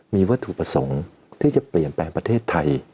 มีวัตถุประสงค์ที่จะเปลี่ยนแปลงประเทศไทย